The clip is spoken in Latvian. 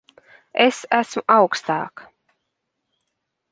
Es esmu augstāk.